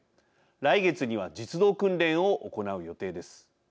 来月には実動訓練を行う予定です。